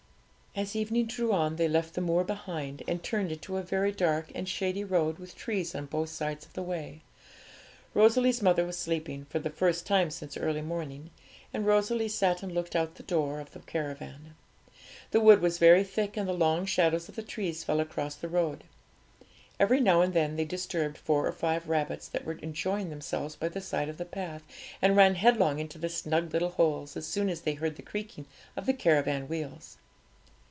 As evening drew on, they left the moor behind, and turned into a very dark and shady road with trees on both sides of the way. Rosalie's mother was sleeping, for the first time since early morning, and Rosalie sat and looked out at the door of the caravan. The wood was very thick, and the long shadows of the trees fell across the road. Every now and then they disturbed four or five rabbits that were enjoying themselves by the side of the path, and ran headlong into their snug little holes as soon as they heard the creaking of the caravan wheels.